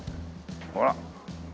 ほら。